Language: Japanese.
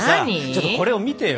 ちょっとこれを見てよ。